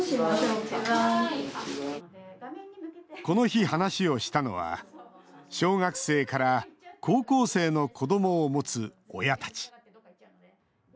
この日、話をしたのは小学生から高校生の子どもを持つ親たち。